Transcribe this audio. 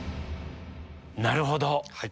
なるほど！